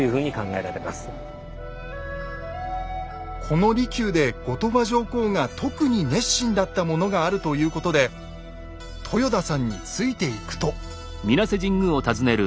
この離宮で後鳥羽上皇が特に熱心だったものがあるということで豊田さんについていくと。